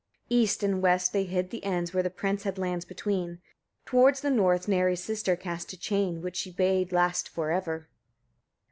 4. East and west they hid the ends, where the prince had lands between; towards the north Neri's sister cast a chain, which she bade last for ever.